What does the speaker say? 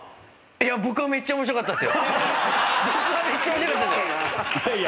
僕はめっちゃ面白かったっす。